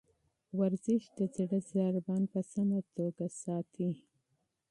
ورزش د زړه ضربان په سمه توګه کنټرولوي.